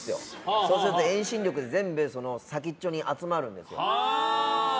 そうすると、遠心力で全部、先っちょに集まるんです。